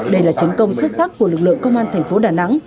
đây là chiến công xuất sắc của lực lượng công an thành phố đà nẵng